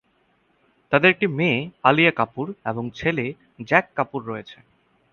তাদের একটি মেয়ে আলিয়া কাপুর এবং ছেলে জ্যাক কাপুর রয়েছে।